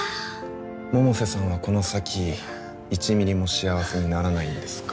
「百瀬さんはこの先」「１ミリも幸せにならないんですか？」